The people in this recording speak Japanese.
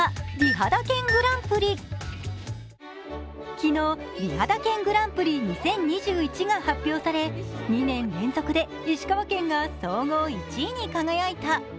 昨日、美肌県グランプリ２０２１が発表され２年連続で石川県が総合１位に輝いた。